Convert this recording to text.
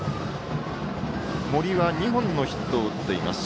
森は２本のヒットを打っています。